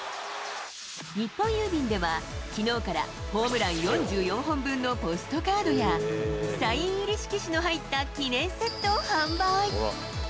日本郵便では、きのうからホームラン４４本分のポストカードや、サイン入り色紙の入った記念セットを販売。